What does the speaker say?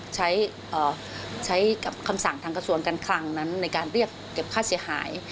ใช้กับคำสั่งทางกระทรวงการคลังนั้นในการเรียกเก็บค่าเสียหาย